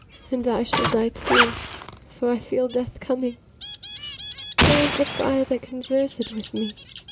And I shall die too, for I feel death coming. Where is the friar that convers'd with me?